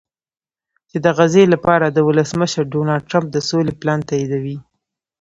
چې د غزې لپاره د ولسمشر ډونالډټرمپ د سولې پلان تاییدوي